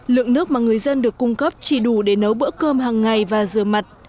lượng nước mà người dân được cung cấp chỉ đủ để nấu bữa cơm hàng ngày và rửa mặt